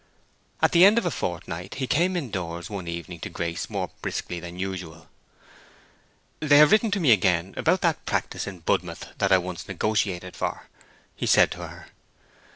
At the end of a fortnight he came in doors one evening to Grace more briskly than usual. "They have written to me again about that practice in Budmouth that I once negotiated for," he said to her.